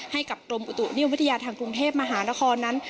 ให้กับกรมอุตุนิยมวิทยาทางกรุงเทพมหานครนั้น